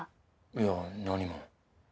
いや何も。